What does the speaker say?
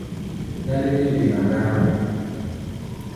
Nɛ́ léɓé-wee a ndár mɔ.